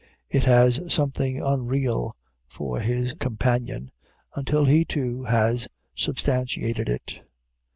It has something unreal for his companion, until he too has substantiated it.